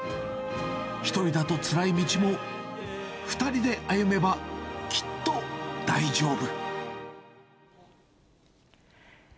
１人だとつらい道も、２人で歩めば、きっと大丈夫。